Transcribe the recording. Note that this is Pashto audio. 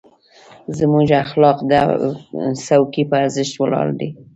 زموږ اخلاق د څوکۍ په ارزښت ولاړ دي.